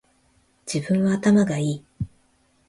自分は頭がいい